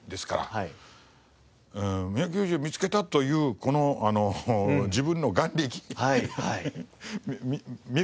三宅裕司を見つけたというこの自分の眼力見る力。